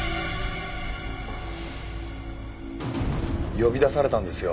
呼び出されたんですよ。